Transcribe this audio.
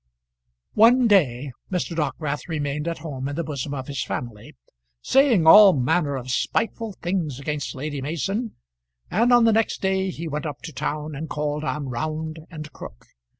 One day Mr. Dockwrath remained at home in the bosom of his family, saying all manner of spiteful things against Lady Mason, and on the next day he went up to town and called on Round and Crook.